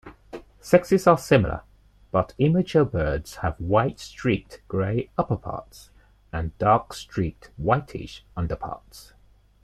Sexes are similar, but immature birds have white-streaked grey upperparts and dark-streaked whitish underparts.